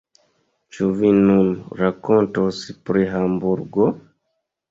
Ĉu vi nun rakontos pri Hamburgo?